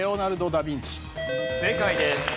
正解です。